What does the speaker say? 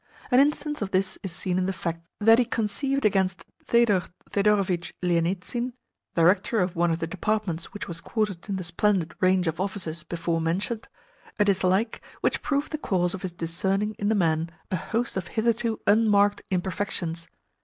An instance of this is seen in the fact that he conceived against Thedor Thedorovitch Lienitsin, Director of one of the Departments which was quartered in the splendid range of offices before mentioned, a dislike which proved the cause of his discerning in the man a host of hitherto unmarked imperfections.